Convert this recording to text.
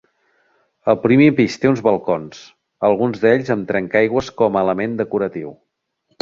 El primer pis té uns balcons, alguns d'ells amb trencaaigües com a element decoratiu.